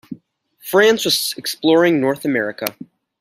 France was exploring North America.